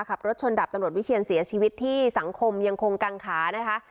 ขับรถชนดับตำรวจวิเชียนเสียชีวิตที่สังคมยังคงกังขานะคะ